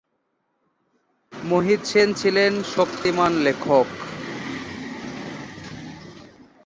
মোহিত সেন ছিলেন শক্তিমান লেখক।